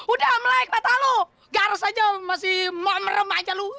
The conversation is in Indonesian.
udah melek mata lu garis aja masih merem aja lu